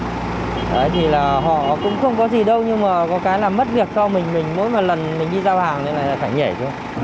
đấy thì là họ cũng không có gì đâu nhưng mà có cái là mất việc cho mình mỗi lần mình đi giao hàng thì phải nhảy xuống